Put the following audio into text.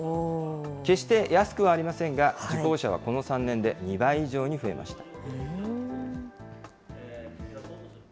決して安くはありませんが、受講者はこの３年で２倍以上に増えました。